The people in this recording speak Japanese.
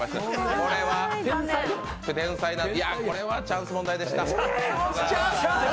これはチャンス問題でした。